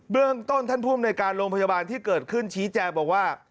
เรื่องต้นท่านภูมิในการโรงพยาบาลที่เกิดขึ้นชี้แจงบอกว่า